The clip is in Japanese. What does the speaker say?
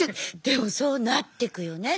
でもそうなってくよね